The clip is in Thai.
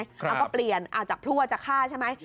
เอาก็เปลี่ยนจากพลั่วจะฆ่าใช่ไหม